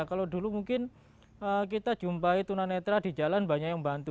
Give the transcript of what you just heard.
kalau dulu mungkin kita jumpai tunanetra di jalan banyak yang bantu